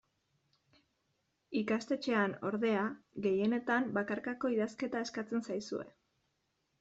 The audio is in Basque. Ikastetxean, ordea, gehienetan bakarkako idazketa eskatzen zaizue.